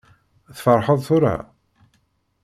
Tferḥeḍ tura?